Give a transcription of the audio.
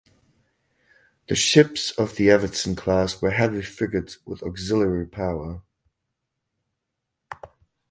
The ships of the "Evertsen" class were heavy frigates with auxiliary power.